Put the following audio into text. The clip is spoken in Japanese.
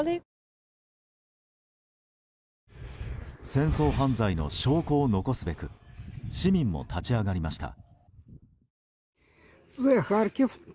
戦争犯罪の証拠を残すべく市民も立ち上がりました。